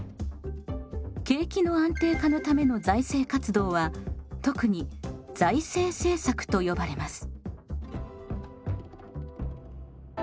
景気の安定化のための財政活動は特に財政政策と呼ばれます。